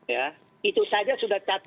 ya itu saja sudah